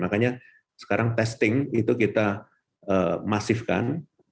makanya sekarang testing itu kita masifkan